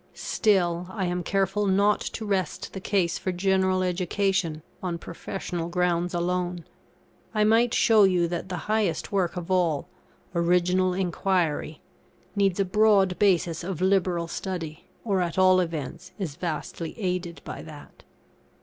Still, I am careful not to rest the case for general education on professional grounds alone. I might show you that the highest work of all original enquiry needs a broad basis of liberal study; or at all events is vastly aided by that.